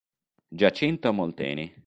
Giacinto Molteni